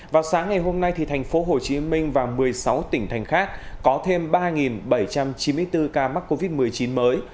vào sáng ngày hôm nay thì thành phố hồ chí minh và một mươi sáu tỉnh thành khác có thêm ba bảy trăm chín mươi bốn ca mắc covid một mươi chín mới